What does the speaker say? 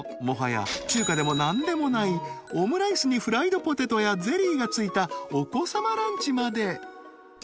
もはや中華でもなんでもないオムライスにフライドポテトやゼリーが付いたお子様ランチまで